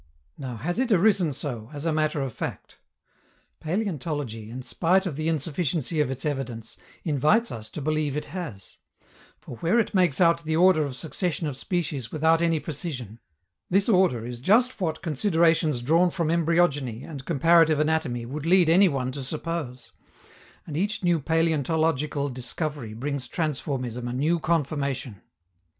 Now, has it arisen so, as a matter of fact? Paleontology, in spite of the insufficiency of its evidence, invites us to believe it has; for, where it makes out the order of succession of species with any precision, this order is just what considerations drawn from embryogeny and comparative anatomy would lead any one to suppose, and each new paleontological discovery brings transformism a new confirmation.